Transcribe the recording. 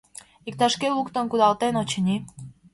Иктаж-кӧ луктын кудалтен, очыни.